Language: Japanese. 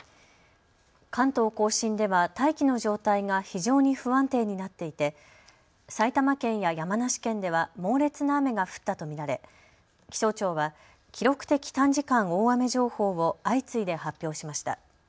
関東甲信では大気の状態が非常に不安定になっていて埼玉県や山梨県では猛烈な雨が降ったと見られ、気象庁は記録的短時間大雨情報を相次いで発表しました。